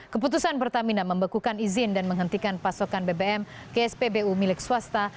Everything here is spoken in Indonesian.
keputusan pertamina membekukan izin dan menghentikan pasokan bbm ke spbu milik swasta